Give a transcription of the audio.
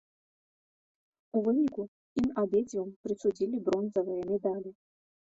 У выніку ім абедзвюм прысудзілі бронзавыя медалі.